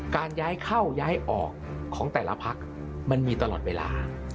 การย้ายเข้าย้ายออกของแต่ละพักมันมีตลอดเวลา